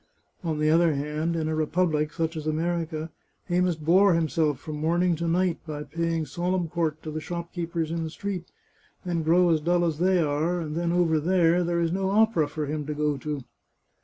On the other hand, in a republic, such as America, he must bore himself from morning to night by paying solemn court to the shopkeepers in the street, and grow as dull as they are, and then, over there, there is no opera for him to goto.